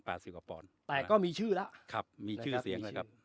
สิบกว่าปอนด์แต่ก็มีชื่อแล้วครับมีชื่อเสียงครับ